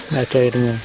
tidak ada airnya